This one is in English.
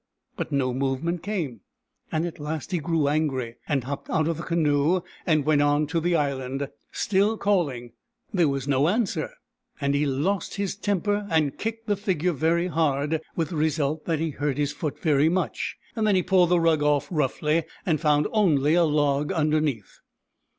But no movement came, and at last he grew angry, and hopped out of the canoe and went on to the island, still calling. There was no answer, and he lost his temper and kicked the figure very hard — with the result that he hurt his foot very much. Then he pulled the rug off roughly, and found only a log underneath.